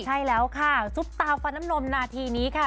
ใช่แล้วค่ะซุปตาฟันน้ำนมนาทีนี้ค่ะ